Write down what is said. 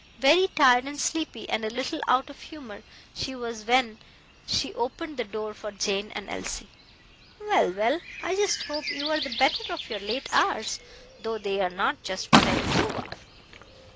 Very tired and sleepy, and a little out of humour, she was when she opened the door for Jane and Elsie. "Well, well! I just hope you're the better of your late hours, though they are not just what I approve of."